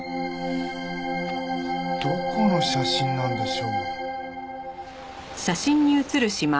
どこの写真なんでしょう？